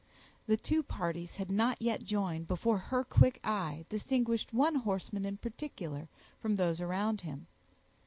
The two parties had not yet joined, before her quick eye distinguished one horseman in particular from those around him.